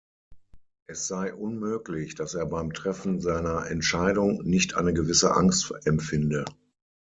Es sei unmöglich, dass er beim Treffen seiner Entscheidung nicht eine gewisse Angst empfinde.